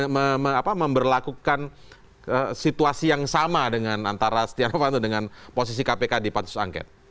memperlakukan situasi yang sama dengan antara setia novanto dengan posisi kpk di pansus angket